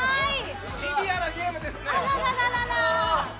シビアなゲームですね。